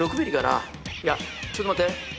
ちょっと待って。